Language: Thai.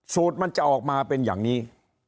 สูตรมันจะออกมาเป็นอย่างนี้